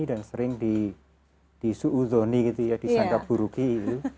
dan sering disuuzoni gitu ya disangkap buruki itu